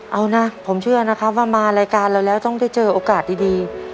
เอานะผมเชื่อนะครับว่ามารายการเราแล้วต้องได้เจอโอกาสดี